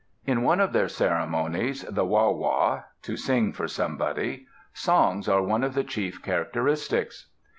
In one of their ceremonies, the Wa´ wa, "to sing for somebody," songs are one of the chief characteristics.